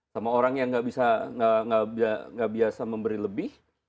sama orang yang gak biasa memberi lebih